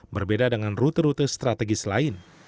berbeda dengan rute rute strategis lain